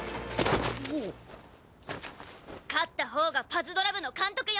勝ったほうがパズドラ部の監督よ！